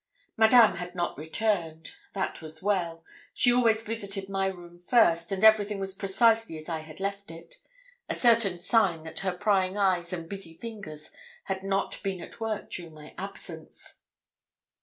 Madame had not returned. That was well; she always visited my room first, and everything was precisely as I had left it a certain sign that her prying eyes and busy fingers had not been at work during my absence.